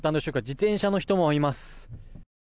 自転車の人もいます。